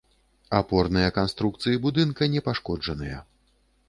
Апорныя канструкцыі будынка не пашкоджаныя.